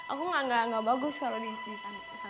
aku enggak bagus kalau disanggul